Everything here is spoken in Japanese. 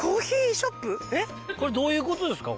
これどういうことですか？